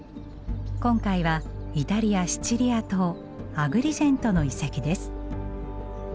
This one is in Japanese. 今回はイタリア・シチリア島アグリジェントの遺跡です。